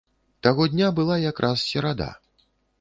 Таго дня была якраз серада.